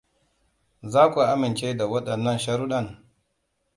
Za ku amince da waɗannan sharuɗɗan?